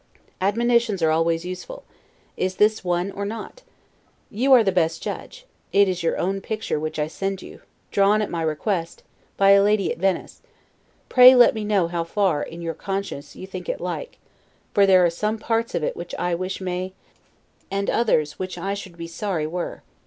Admonitions are always useful; is this one or not? You are the best judge; it is your own picture which I send you, drawn, at my request, by a lady at Venice: pray let me know how far, in your conscience, you think it like; for there are some parts of it which I wish may, and others, which I should be sorry were.